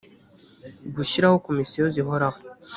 gushyiraho komisiyo zihoraho